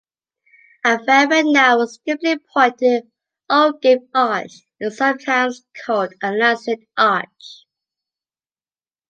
A very narrow, steeply pointed ogive arch is sometimes called a "lancet arch".